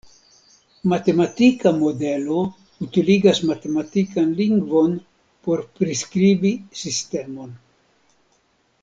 Matematika modelo utiligas matematikan lingvon por priskribi sistemon.